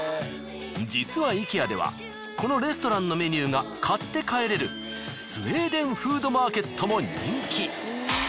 実はイケアではこのレストランのメニューが買って帰れるスウェーデンフードマーケットも人気。